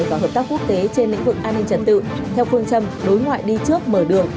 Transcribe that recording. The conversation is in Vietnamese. và hợp tác quốc tế trên lĩnh vực an ninh trật tự theo phương châm đối ngoại đi trước mở đường